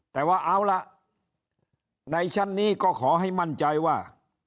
แต่ว่าเอาล่ะในชั้นนี้ก็ขอให้มั่นใจว่า